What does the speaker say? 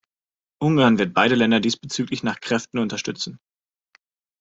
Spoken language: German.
Ungarn wird beide Länder diesbezüglich nach Kräften unterstützen.